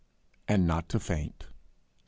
' and not to faint.' ST.